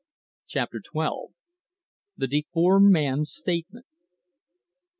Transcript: CHAPTER TWELVE. THE DEFORMED MAN'S STATEMENT.